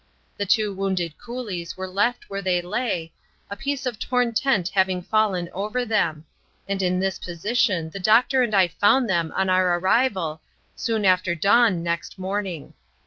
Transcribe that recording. The two wounded coolies were left where they lay, a piece of torn tent having fallen over them; and in this position the doctor and I found them on our arrival soon after dawn next morning.